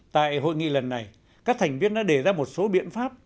tại hội nghị lần này các thành viên đã đề ra một số biện pháp